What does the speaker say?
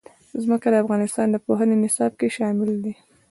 ځمکه د افغانستان د پوهنې نصاب کې شامل دي.